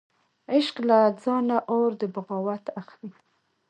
عشق له ځانه اور د بغاوت اخلي